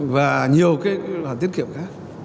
và nhiều cái tiết kiệm khác